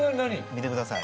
見てください。